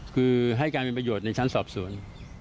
คือให้การเป็นประโยชน์ในชั้นสอบสวน